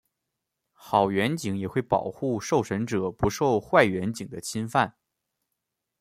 好员警也会保护受审者不受坏员警的侵犯。